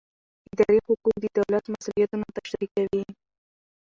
اداري حقوق د دولت مسوولیتونه تشریح کوي.